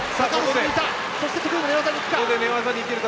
そして得意の寝技に行くか。